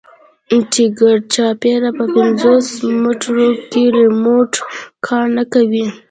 چې ګردچاپېره په پينځوس مټرو کښې ريموټ کار نه کوي.